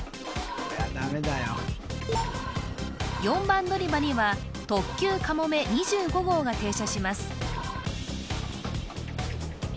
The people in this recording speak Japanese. ４番のりばには特急かもめ２５号が停車します